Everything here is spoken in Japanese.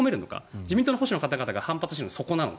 自民党の保守の方々が反発しているのはそこなので。